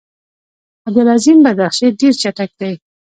عبدالعظیم بدخشي ډېر چټک دی.